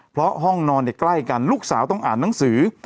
เพราะห้องนอนใกล้กันลูกสาวต้องอ่านหนังสือ